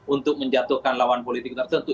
untuk menjatuhkan lawan politik tertentu